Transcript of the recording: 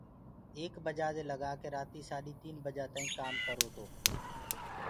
ايڪ بجآنٚ دي لگآ ڪي رآتيٚ سآڏيٚ تيٚن بجآ تآئيٚنٚ ڪآم ڪررو تو